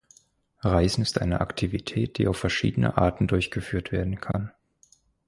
Reisen ist eine Aktivität, die auf verschiedene Arten durchgeführt werden kann.